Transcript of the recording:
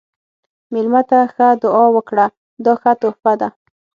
مېلمه ته ښه دعا ورکړه، دا ښه تحفه ده.